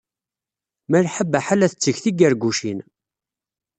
Malḥa Baḥa la d-tetteg tigargucin.